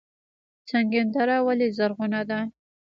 سنګین دره ولې زرغونه ده؟